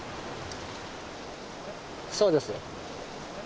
そうです。